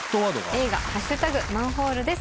映画『＃マンホール』です。